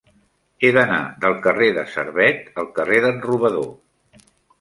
He d'anar del carrer de Servet al carrer d'en Robador.